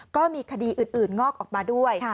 ก็มีคดีอื่นงอกออกมาด้วย